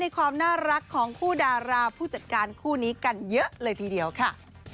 ความน่ารักของคู่ดาราผู้จัดการคู่นี้กันเยอะเลยทีเดียวค่ะ